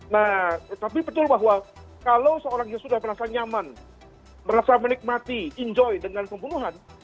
nah tapi betul bahwa kalau seorang yang sudah merasa nyaman merasa menikmati enjoy dengan pembunuhan